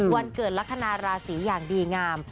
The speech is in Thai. วันเกิดลักษณะราศีอย่างดีงาม